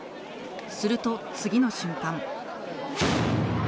すると、次の瞬間